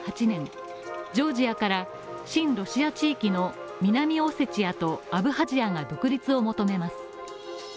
２００８年、ジョージアから親ロシア地域の南オセチアとアブハジアが独立を求めます。